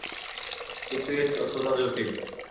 কিন্তু এই তত্ত্বটা জটিল।